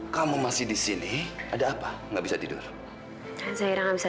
sampai jumpa di video selanjutnya